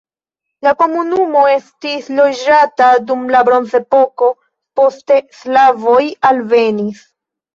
La komunumo estis loĝata dum la bronzepoko, poste slavoj alvenis.